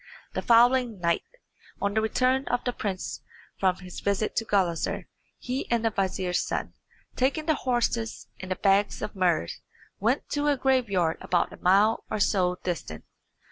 The following night, on the return of the prince from his visit to Gulizar, he and the vizier's son, taking the horses and bags of muhrs, went to a graveyard about a mile or so distant.